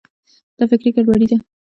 دا فکري ګډوډي ده.